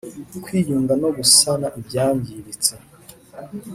kwiyunga no gusana ibyangiritse